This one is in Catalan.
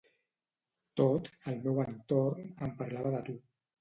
Tot, al meu entorn, em parlava de tu.